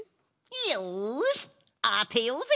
よしあてようぜ！